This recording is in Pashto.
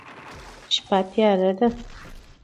شپه تیاره ده